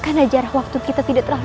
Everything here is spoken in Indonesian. karena jarak waktu kita tidak terlalu jauh